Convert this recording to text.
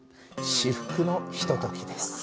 至福のひとときです。